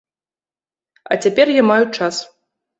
А цяпер я маю час.